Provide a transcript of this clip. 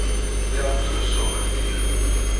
Lliɣ ttrusuɣ ɣef yilel.